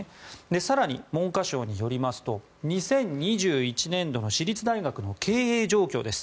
更に、文科省によりますと２０２１年度の私立大学の経営状況です。